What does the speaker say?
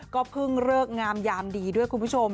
ก็เพิ่งเลิกงามยามดีด้วยคุณผู้ชม